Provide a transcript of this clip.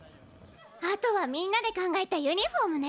あとはみんなで考えたユニフォームね！